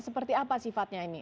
seperti apa sifatnya ini